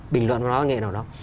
bình luận vào nó nghề nào đó